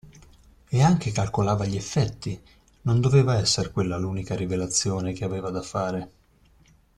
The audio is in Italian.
E anche calcolava gli effetti: non doveva esser quella l'unica rivelazione, che aveva da fare!